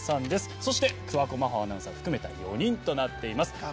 そして、桑子真帆アナウンサーを含めた４人となっています。